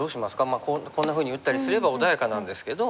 まあこんなふうに打ったりすれば穏やかなんですけど。